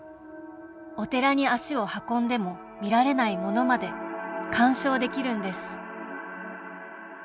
お寺に足を運んでも見られないものまで鑑賞できるんです